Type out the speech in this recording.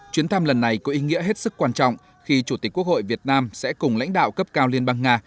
chuyến thăm lần này có ý nghĩa hết sức quan trọng khi chủ tịch quốc hội việt nam sẽ cùng lãnh đạo cấp cao liên bang nga